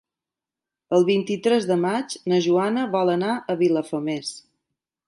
El vint-i-tres de maig na Joana vol anar a Vilafamés.